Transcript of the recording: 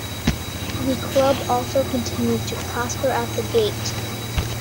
The club also continued to prosper at the gate.